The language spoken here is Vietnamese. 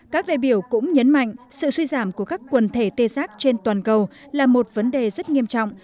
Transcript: các đại biểu cũng nhấn mạnh sự suy giảm của các quần thể tê giác trên toàn cầu là một vấn đề rất nghiêm trọng